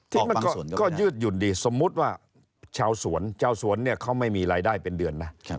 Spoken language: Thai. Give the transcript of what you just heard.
มันก็ยืดหยุ่นดีสมมุติว่าชาวสวนชาวสวนเนี่ยเขาไม่มีรายได้เป็นเดือนนะ